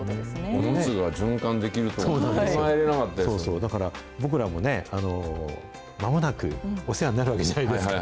おむつが循環できるというのは、だから、僕らもまもなくお世話になるわけじゃないですか。